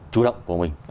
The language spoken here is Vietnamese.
chủ động của mình